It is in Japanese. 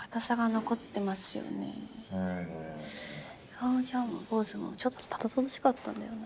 表情もポーズもちょっとたどたどしかったんだよな。